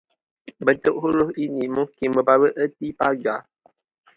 Bentuk huruf ini mungkin membawa erti pagar